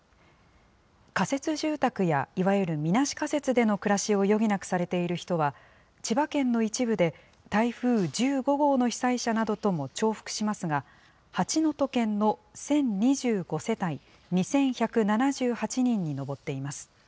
仮設住宅やいわゆるみなし仮設での暮らしを余儀なくされている人は、千葉県の一部で台風１５号の被災者などとも重複しますが、８の都県の１０２５世帯２１７８人に上っています。